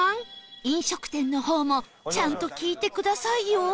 飲食店の方もちゃんと聞いてくださいよ